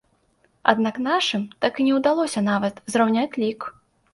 Аднак нашым так і не ўдалося нават зраўняць лік.